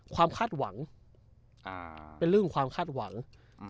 คาดหวังอ่าเป็นเรื่องความคาดหวังอืม